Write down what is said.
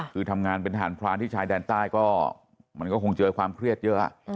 คือทำงานเป็นทหารพรานที่ชายแดนใต้ก็มันก็คงเจอความเครียดเยอะ